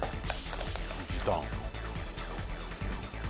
時短。